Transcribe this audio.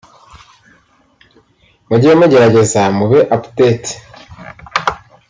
Mujye mugerageza mube update